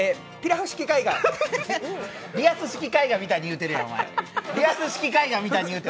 リアス式海岸みたいに言うてるやん、お前。